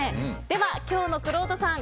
では、今日のくろうとさん